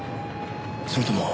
それとも。